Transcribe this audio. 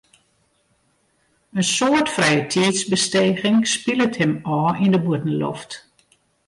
In soad frijetiidsbesteging spilet him ôf yn de bûtenloft.